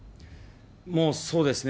もう、そうですね。